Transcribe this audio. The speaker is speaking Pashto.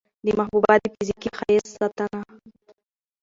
د محبوبا د فزيکي ښايست ستاينه